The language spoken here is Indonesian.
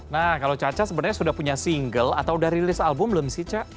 nah kalau caca sebenarnya sudah punya single atau sudah rilis album belum sih cak